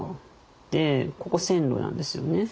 でここ線路なんですよね。